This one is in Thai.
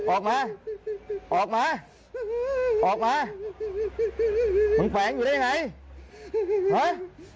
ออกมาออกมาออกมามึงแขวงอยู่ได้ไงฮะ